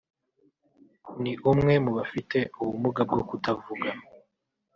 ni umwe mu bafite ubumuga bwo kutavuga